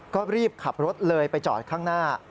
ก็รีบขับรถเลยไปจอดข้างหน้า